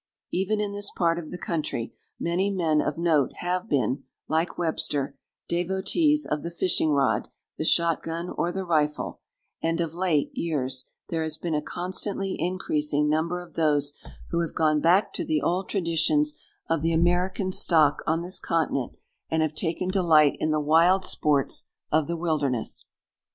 Even in this part of the country, many men of note have been, like Webster, devotees of the fishing rod, the shot gun, or the rifle; and of late years there has been a constantly increasing number of those who have gone back to the old traditions of the American stock on this continent, and have taken delight in the wild sports of the wilderness.